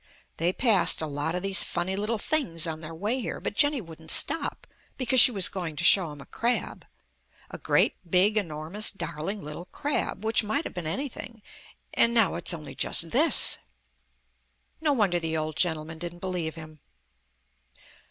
They passed a lot of these funny little things on their way here, but Jenny wouldn't stop because she was going to show him a Crab, a great, big, enormous darling little Crab which might have been anything and now it's only just this. No wonder the old gentleman didn't believe him.